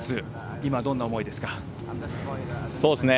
今、どんな思いですか？